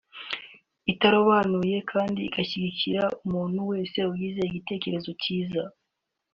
itarobanuye kandi igashyigikira umuntu wese ugize igitekerezo cyiza